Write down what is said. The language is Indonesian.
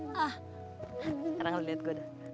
sekarang lu liat gua dah